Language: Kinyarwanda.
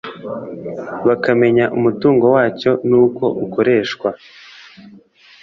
bakamenya umutungo wacyo n'uko ukoreshwa.